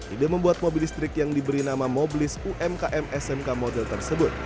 ide membuat mobil listrik yang diberi nama mobilis umkm smk model tersebut